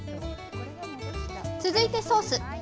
続いてソース。